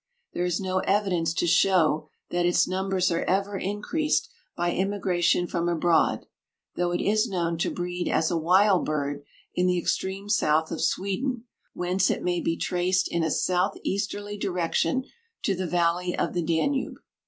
There is no evidence to show that its numbers are ever increased by immigration from abroad, though it is known to breed as a wild bird in the extreme south of Sweden, whence it may be traced in a south easterly direction to the valley of the Danube.